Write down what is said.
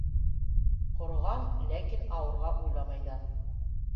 Ҡороған, ләкин ауырға уйламай ҙа.